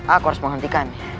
aku harus menghentikannya